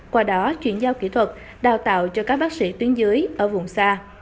qua đó chuyển giao kỹ thuật đào tạo cho các bác sĩ tuyến dưới ở vùng xa